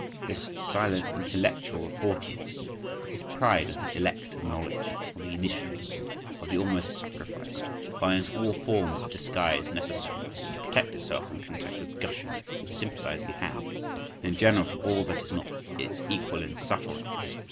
—this silent intellectual haughtiness, this pride of the elect of knowledge, of the "initiated," of the almost sacrificed, finds all forms of disguise necessary to protect itself from contact with gushing and sympathising hands, and in general from all that is not its equal in suffering.